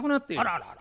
あらあら。